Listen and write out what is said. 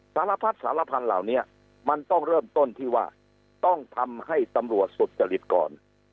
สารพัดสารพันธุ์เหล่านี้มันต้องเริ่มต้นที่ว่าต้องทำให้ตำรวจสุจริตก่อน